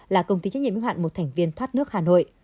là công ty chính nhận nguyên hạn một thành viên thoát nước hà nội